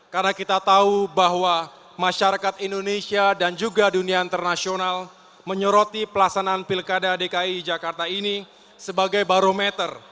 karena kita tahu bahwa masyarakat indonesia dan juga dunia internasional menyoroti pelaksanaan pilkada dki jakarta ini sebagai barometer